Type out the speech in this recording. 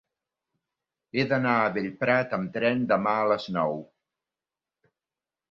He d'anar a Bellprat amb tren demà a les nou.